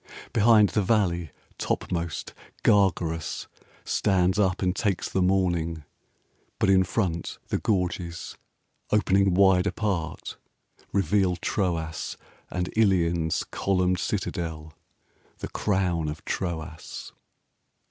Behind the valley topmost Gargarus 10 Stands up and takes the morning: but in front The gorges, opening wide apart, reveal Troas and Ilion's columned citadel, The crown of Troas.